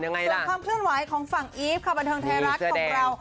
เอ้าเอ้าส่วนความเคลื่อนไหวของฝั่งอีฟค่ะบรรเทิงไทยรักษณ์ของเรา